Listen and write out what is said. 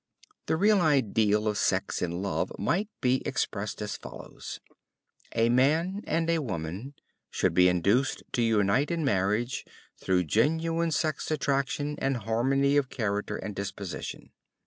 The real ideal of sex in love might be expressed as follows: A man and a woman should be induced to unite in marriage through genuine sex attraction and harmony of character and disposition.